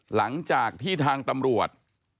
หลังจากที่ทางตำรวจ